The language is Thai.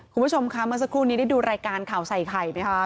คุณผู้ชมค่ะเมื่อสักครู่นี้ได้ดูรายการข่าวใส่ไข่ไหมคะ